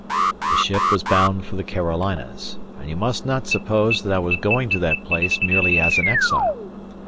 The ship was bound for the Carolinas; and you must not suppose that I was going to that place merely as an exile.